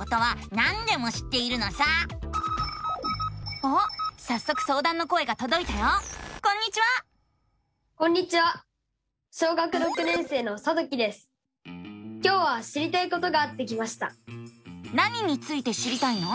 何について知りたいの？